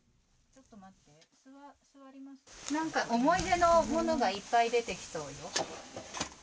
何か思い出のものがいっぱい出てきそうよ。